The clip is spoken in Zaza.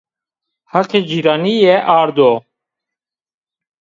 Heqê cîranîye ardo